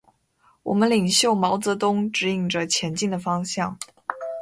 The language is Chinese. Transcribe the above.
我们领袖毛泽东，指引着前进的方向。